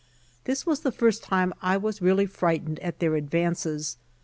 This wias the first time T was really frightened at their advances.